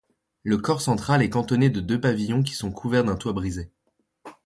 Le corps central est cantonné de deux pavillons qui sont couverts d'un toit brisé.